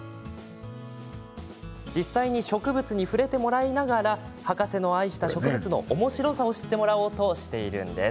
実際に触れてもらいながら博士の愛した植物のおもしろさを知ってもらおうとしているんです。